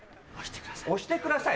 「押してください」？